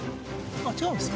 あっ違うんですか？